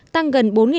tăng gần bốn hectare